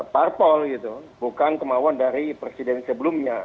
parpol gitu bukan kemauan dari presiden sebelumnya